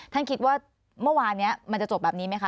ท่านคิดว่าเมื่อวานนี้มันจะจบแบบนี้ไหมคะ